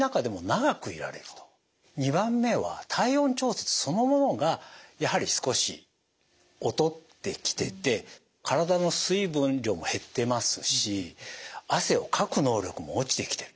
２番目は体温調節そのものがやはり少し劣ってきてて体の水分量も減ってますし汗をかく能力も落ちてきてる。